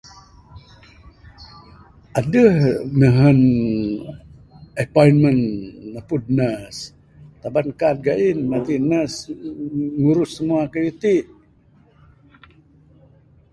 Adeh nehen appointment napud nurse, taban kad gain. Matik nurse ngurus simua kayuh ti.